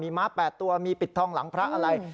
ม้า๘ตัวมีปิดทองหลังพระอะไร